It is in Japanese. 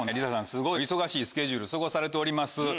すごい忙しいスケジュール過ごされております。